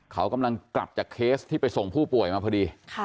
เขากำลังกลับจากเคสที่ไปส่งผู้ป่วยมาพอดี